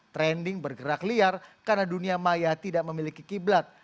trending bergerak liar karena dunia maya tidak memiliki kiblat